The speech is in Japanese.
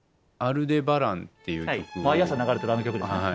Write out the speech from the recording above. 毎朝流れてるあの曲ですね。